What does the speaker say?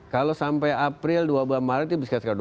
kalau sampai april dua bulan maret itu bisa sekitar dua ratus